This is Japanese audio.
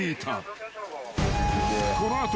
［この後］